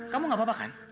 kamu gak apa apa kan